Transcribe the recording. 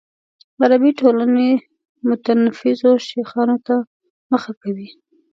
عربي ټولنې متنفذو شیخانو ته مخه کوي.